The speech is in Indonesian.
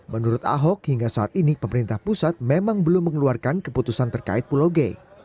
menurut ahok hingga saat ini pemerintah pusat memang belum mengeluarkan keputusan terkait pulau g